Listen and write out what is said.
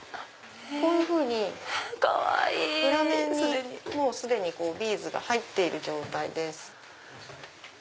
こういうふうに裏面に既にビーズが入っている状態です。